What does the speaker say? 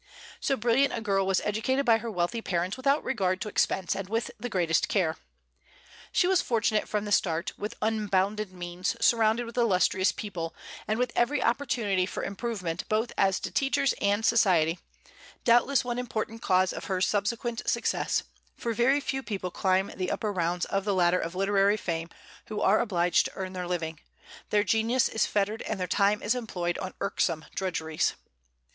So brilliant a girl was educated by her wealthy parents without regard to expense and with the greatest care. She was fortunate from the start, with unbounded means, surrounded with illustrious people, and with every opportunity for improvement both as to teachers and society, doubtless one important cause of her subsequent success, for very few people climb the upper rounds of the ladder of literary fame who are obliged to earn their living; their genius is fettered and their time is employed on irksome drudgeries.